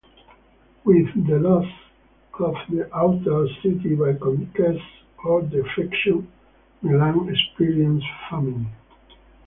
With the loss of the outer cities by conquest or defection, Milan experienced famine.